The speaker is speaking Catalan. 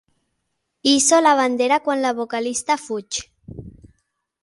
Hisso la bandera quan la vocalista fuig.